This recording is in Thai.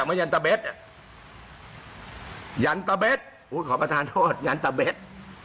ขอโทษอย่างตะเบ็ด